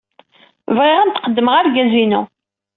Bɣiɣ ad am-d-qeddmeɣ argaz-inu.